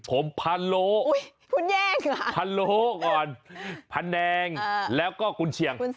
ผมพาโลพาโลก่อนพาแนงแล้วก็คุณเชียงพูดแย่ก่อน